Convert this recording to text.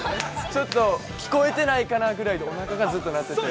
ちょっと聞こえてないかなぐらいで、おなかがずっと鳴ってて。